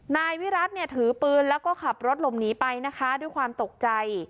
นายวิรัติเนี่ยถือปืนแล้วก็ขับรถหลบหนีไปนะคะด้วยความตกใจ